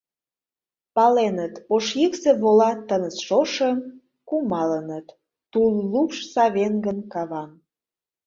Паленыт: ош йӱксӧ вола тыныс шошым, Кумалыныт, тул лупш савен гын кавам…